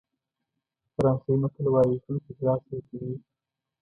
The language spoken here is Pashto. فرانسوي متل وایي ژوند په ژړا سره تېرېږي.